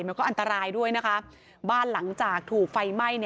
มันก็อันตรายด้วยนะคะบ้านหลังจากถูกไฟไหม้